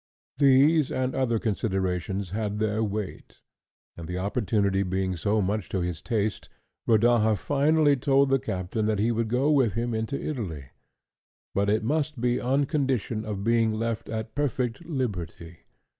These and other considerations had their weight, and the opportunity being so much to his taste, Rodaja finally told the captain that he would go with him into Italy; but it must be on condition of being left at perfect liberty.